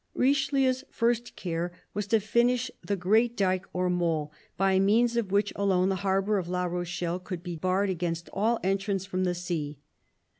Richelieu's first care was to finish the great dyke or mole by means of which alone the harbour of La Rochelle could be barred against all entrance from the sea.